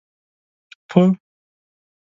په